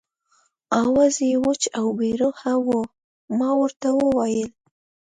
آواز یې وچ او بې روحه و، ما ورته وویل.